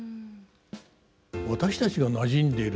私たちがなじんでいる